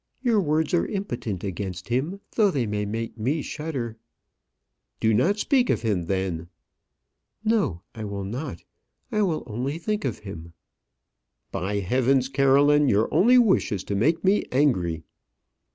Your words are impotent against him, though they may make me shudder." "Do not speak of him, then." "No, I will not. I will only think of him." "By heavens! Caroline, your only wish is to make me angry."